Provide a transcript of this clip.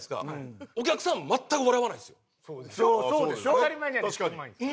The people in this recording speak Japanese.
当たり前じゃないですか。